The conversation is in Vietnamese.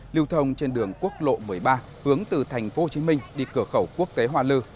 lưu thông trên đường quốc lộ một mươi ba hướng từ thành phố hồ chí minh đi cửa khẩu quốc tế hoa lư